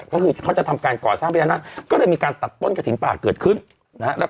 ก็คือเขาจะทำการก่อสร้างพญานาคก็เลยมีการตัดต้นกระถิ่นป่าเกิดขึ้นนะฮะ